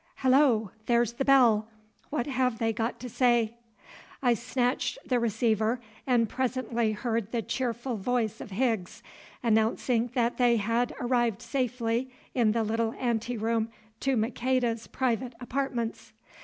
Hullo, there's the bell. What have they got to say?" I snatched the receiver, and presently heard the cheerful voice of Higgs announcing that they had arrived safely in the little anteroom to Maqueda's private apartments.